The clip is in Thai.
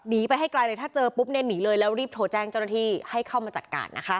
หนีไปให้ไกลเลยถ้าเจอปุ๊บเนี่ยหนีเลยแล้วรีบโทรแจ้งเจ้าหน้าที่ให้เข้ามาจัดการนะคะ